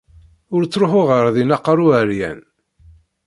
Ur ttruḥu ɣer din aqerru ɛeryan.